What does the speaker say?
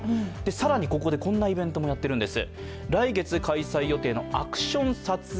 更に、ここでこんなイベントもやっているんです。